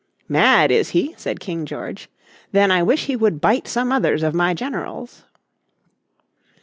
"Mad is he?" said King George. "Then I wish he would bite some others of my generals."